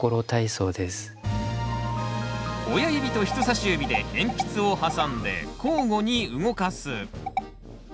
親指と人さし指で鉛筆を挟んで交互に動かす。